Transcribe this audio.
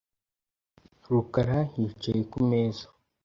rukara yicaye ku meza .